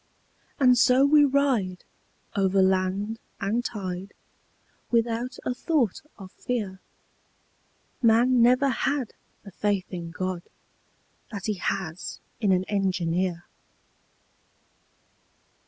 And so we ride Over land and tide, Without a thought of fear _Man never had The faith in God That he has in an engineer!